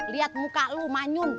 liat muka lu manyun